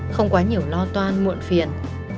không quá nhiều lo toan muộn phiền